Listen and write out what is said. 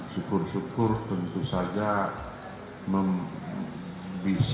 syukur syukur tentu saja bisa mendorong lahirnya